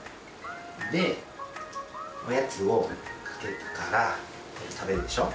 でおやつをかけたからこれ食べるでしょ。